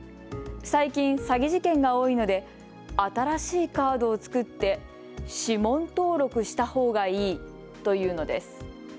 最近、詐欺事件が多いので新しいカードを作って指紋登録したほうがいいと言うのです。